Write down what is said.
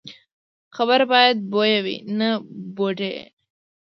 خبره باید بویه وي، نه بوډۍ.